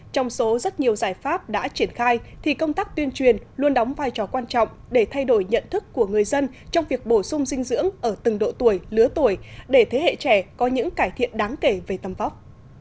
trong số rất nhiều giải pháp đã triển khai thì công tác tuyên truyền luôn đóng vai trò quan trọng để thay đổi nhận thức của người dân trong việc bổ sung dinh dưỡng ở từng độ tuổi lứa tuổi để thế hệ trẻ có những cải thiện đáng kể về tâm vóc